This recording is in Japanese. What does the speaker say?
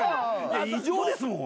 異常ですもん。